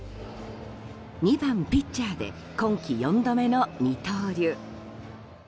２番ピッチャーで今季４度目の二刀流。